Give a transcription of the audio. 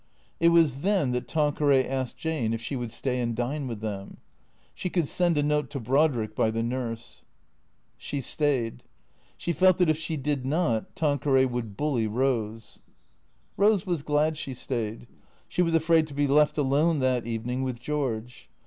It was then that Tanqueray asked Jane if she would stay and dine with them. She could send a note to Brodrick by the nurse. She stayed. She felt that if she did not Tanqueray would bully Eose. Eose was glad she stayed. She M as afraid to be left alone that evening with George.